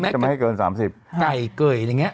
เขาจะไม่ให้เกิน๓๐